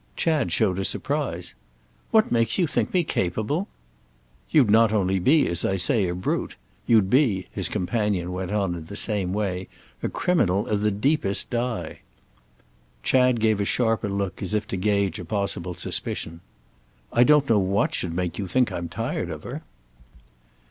Chad showed a surprise. "What makes you think me capable—?" "You'd not only be, as I say, a brute; you'd be," his companion went on in the same way, "a criminal of the deepest dye." Chad gave a sharper look, as if to gauge a possible suspicion. "I don't know what should make you think I'm tired of her."